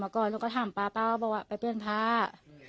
บางครั้งคนก็ถามป้าแล้วบอกว่าไปเปลี่ยนภาพ